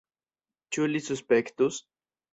Ĉu li suspektus?